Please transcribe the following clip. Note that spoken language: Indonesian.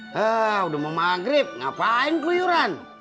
hah udah mau maghrib ngapain guyuran